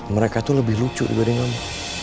mereka itu lebih lucu dibanding kamu